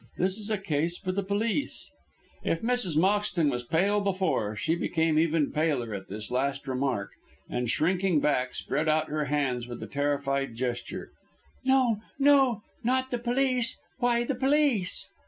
This is a case for the police." If Mrs. Moxton was pale before she became even paler at this last remark, and, shrinking back, spread out her hands with a terrified gesture. "No, no, not the police! Why the police?"